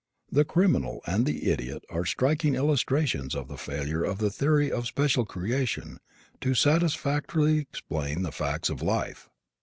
The criminal and the idiot are striking illustrations of the failure of the theory of special creation to satisfactorily explain the facts of life.